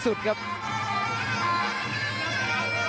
สตานท์ภพล็อกนายเกียรติป้องยุทเทียร์